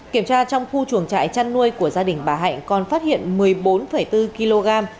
kiểm tra trong khu chuồng trại chăn nuôi của gia đình bà hạnh còn phát hiện một mươi bốn bốn kg